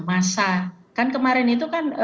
masa kan kemarin itu kan